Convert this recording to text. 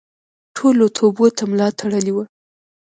ټولو توبو ته ملا تړلې وه.